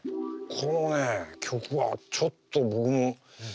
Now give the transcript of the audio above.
これはね曲はちょっと僕も。